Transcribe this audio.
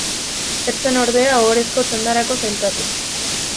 Ez zen ordea ohorezko txandarako sailkatu.